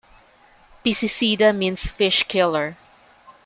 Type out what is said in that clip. "Piscicida" means "fish-killer".